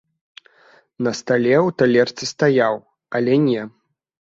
На стале ў талерцы стаяў, але не!